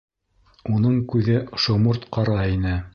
Уның күҙе шоморт ҡара ине.